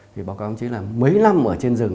thì báo cáo ông chí là mấy năm ở trên đường hành quân